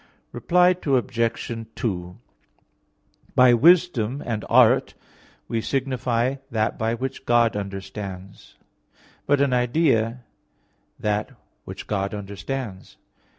Reply Obj. 2: By wisdom and art we signify that by which God understands; but an idea, that which God understands.